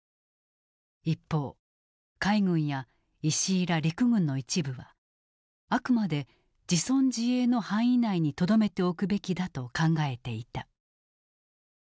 一方海軍や石井ら陸軍の一部はあくまで自存自衛の範囲内にとどめておくべきだと考えていた。